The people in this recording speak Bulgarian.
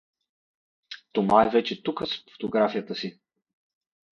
Тома е вече тука с фотографията си.